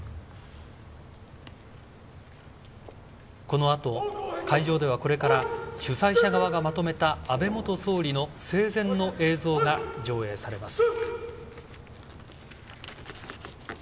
このあと、会場ではこれから主催者側がまとめた安倍元総理の生前の映像が上映されます。